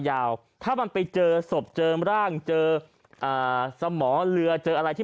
ยาวถ้ามันไปเจอศพเจอร่างเจออ่าสมอเรือเจออะไรที่